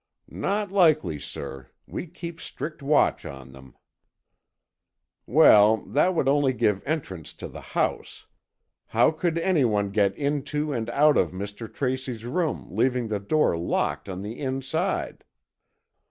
"Not likely, sir. We keep strict watch on them." "Well, that would only give entrance to the house. How could anyone get into and out of Mr. Tracy's room, leaving the door locked on the inside?"